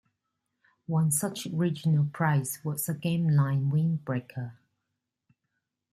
One such regional prize was a GameLine windbreaker.